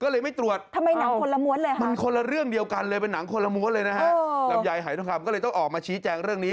ลำไยหายท่องคำก็เลยต้องออกมาชี้แจ้งเรื่องนี้